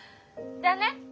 ☎じゃあね。